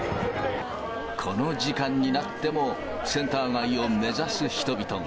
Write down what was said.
この時間になってもセンター街を目指す人々が。